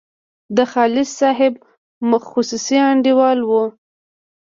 د خالص صاحب خصوصي انډیوال وو.